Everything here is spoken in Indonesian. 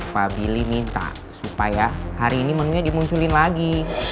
pak billy minta supaya hari ini menunya dimunculin lagi